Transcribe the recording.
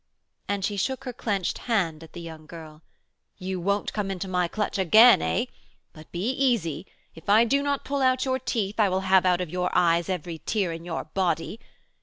and she shook her clenched hand at the young girl. "You won't come into my clutch again, eh? But be easy; if I do not pull out your teeth, I will have out of your eyes every tear in your body.